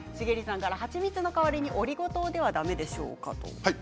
蜂蜜の代わりにオリゴ糖ではだめでしょうか。